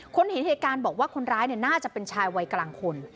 เห็นเหตุการณ์บอกว่าคนร้ายน่าจะเป็นชายวัยกลางคน